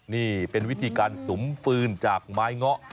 นี่เป็นวิธีการสุมฟืนจากไม้เงาะ